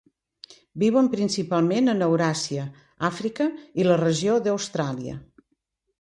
Viuen principalment en Euràsia, Àfrica i la regió d'Austràlia.